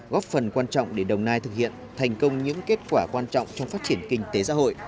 góp phần quan trọng để đồng nai thực hiện thành công những kết quả quan trọng trong phát triển kinh tế xã hội